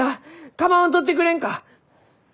構わんとってくれんか！